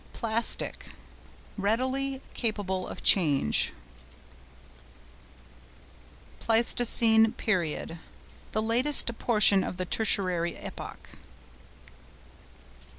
PLASTIC.—Readily capable of change. PLEISTOCENE PERIOD.—The latest portion of the Tertiary epoch.